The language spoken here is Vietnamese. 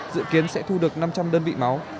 dự kiến sẽ thu được năm trăm linh đơn vị máu